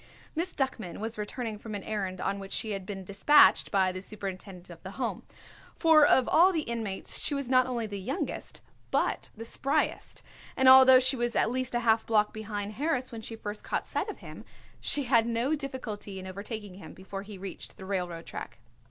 Miss Duckman was returning from an errand on which she had been dispatched by the superintendent of the Home, for of all the inmates she was not only the youngest but the spryest, and although she was at least half a block behind Harris when she first caught sight of him, she had no difficulty in overtaking him before he reached the railroad track.